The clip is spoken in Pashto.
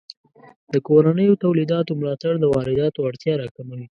د کورنیو تولیداتو ملاتړ د وارداتو اړتیا راکموي.